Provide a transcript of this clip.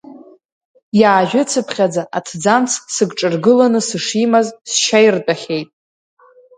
Иаажәыцыԥхьаӡа аҭӡамц сыгҿаргыланы сышимаз сшьа иртәахьеит.